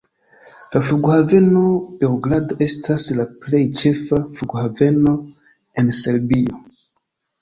La Flughaveno Beogrado estas la plej ĉefa flughaveno en Serbio.